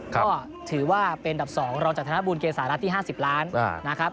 ก็ถือว่าเป็นอันดับ๒รองจากธนบุญเกษารัฐที่๕๐ล้านนะครับ